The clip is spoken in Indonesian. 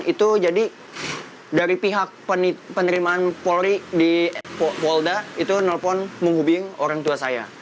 itu jadi dari pihak penerimaan polri di polda itu nelpon menghubung orang tua saya